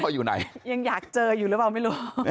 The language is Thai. อยู่ไหนยังอยากเจออยู่หรือเปล่าไม่รู้